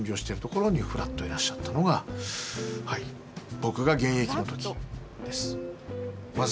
僕が現役の時です。